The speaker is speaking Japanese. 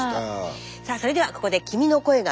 さあそれではここで「君の声が聴きたい」